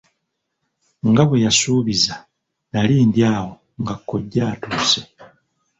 Nga bwe yasuubiza, nali ndi awo nga kkojja atuuse.